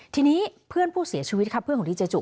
ทีนี้เพื่อนผู้เสียชีวิตค่ะเพื่อนของดีเจจุ